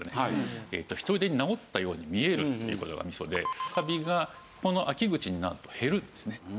ひとりでに治ったように見えるっていう事がみそでカビがこの秋口になると減るんですね。